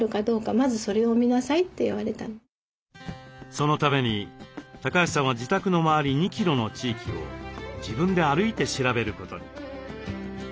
そのために橋さんは自宅の周り２キロの地域を自分で歩いて調べることに。